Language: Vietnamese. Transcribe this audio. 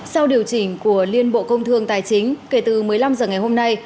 sau điều chỉnh của liên bộ công thương tài chính kể từ một mươi năm h ngày hôm nay